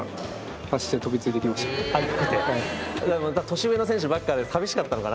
年上の選手ばっかで寂しかったのかな